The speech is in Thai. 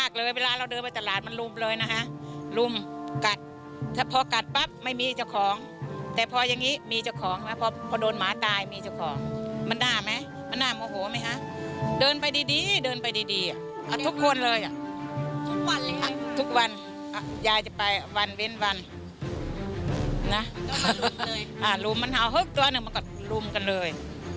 อ่ะยายจะไปวันเว้นวันนะอ่าลุมมันเฮิบตัวหนึ่งมากัดลุมกันเลย